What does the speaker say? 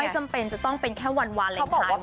ไม่จำเป็นจะต้องเป็นแค่วันวาเลนไทยวันเดียว